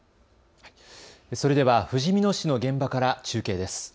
それではふじみ野市の現場から中継です。